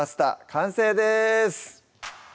完成です